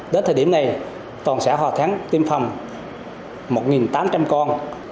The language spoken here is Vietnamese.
đến thời điểm này toàn xã hòa thắng tiêm phòng một tám trăm linh con